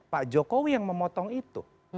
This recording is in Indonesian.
pak jokowi yang memotong itu